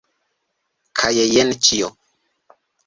Kaj jen ĉio.